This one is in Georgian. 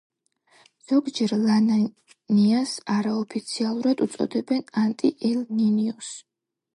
ზოგჯერ ლა-ნინიას არაოფიციალურად უწოდებენ „ანტი ელ-ნინიოს“.